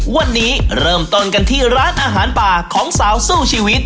วันนี้เริ่มต้นกันที่ร้านอาหารป่าของสาวสู้ชีวิต